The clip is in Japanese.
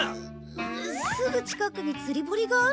すぐ近くに釣り堀があるけど。